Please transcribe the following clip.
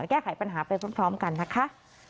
แก้ไขปัญหาไปพร้อมกันนะคะ